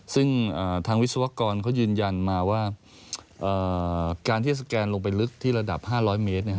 ซึ่งทางวิศวกรเขายืนยันมาว่าการที่จะสแกนลงไปลึกที่ระดับ๕๐๐เมตร